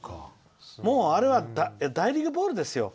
もうあれは大リーグボールですよ。